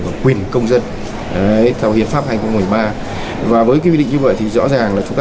và quyền công dân theo hiến pháp hai nghìn một mươi ba và với quy định như vậy thì rõ ràng là chúng ta